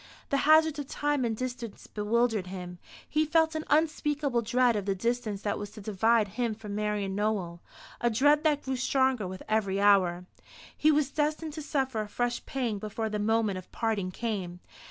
The hazards of time and distance bewildered him. He felt an unspeakable dread of the distance that was to divide him from Marian Nowell a dread that grew stronger with every hour. He was destined to suffer a fresh pang before the moment of parting came.